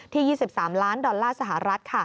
๒๓ล้านดอลลาร์สหรัฐ